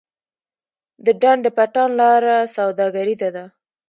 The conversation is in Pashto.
د ډنډ پټان لاره سوداګریزه ده